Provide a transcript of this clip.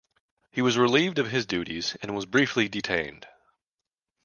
He was relieved of his duties and was briefly detained.